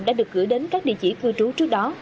đã được gửi đến các địa chỉ cư trú trước đó